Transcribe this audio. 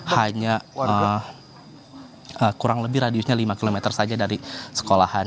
hanya kurang lebih radiusnya lima km saja dari sekolahan